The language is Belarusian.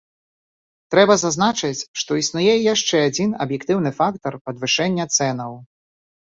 Трэба зазначыць, што існуе і яшчэ адзін аб'ектыўны фактар падвышэння цэнаў.